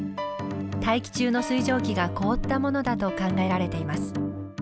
大気中の水蒸気が凍ったものだと考えられています